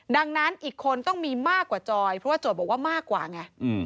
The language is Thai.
ดังนั้นอีกคนต้องมีมากกว่าจอยเพราะว่าโจทย์บอกว่ามากกว่าไง